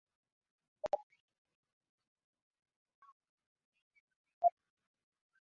za taifa pengine tutarajie kama si kenya ama uganda